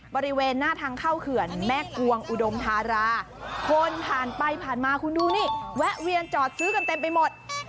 บริเวณหน้าทางเข้าเขื่อนแม่กวงอุดมธาราคนผ่านไปผ่านมาคุณดูนี่แวะเวียนจอดซื้อกันเต็มไปหมด